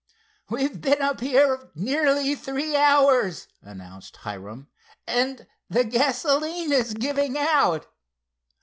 "We've been up here nearly three hours," announced Hiram, "and the gasoline is giving out."